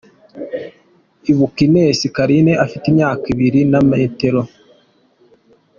Ibuka Ines Carine afite imyaka , ibiro na metero .